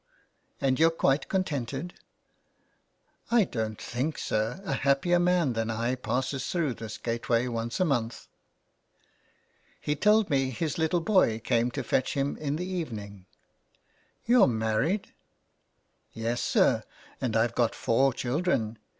" And you're quite contented ?"" I don't think, sir, a happier man than I passes through this gate way once a month." He told me his little boy came to fetch him in the evening. "You're married ?"'' Yes, sir, and Pve got four children.